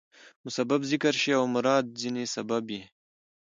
مسبب ذکر شي او مراد ځني سبب يي.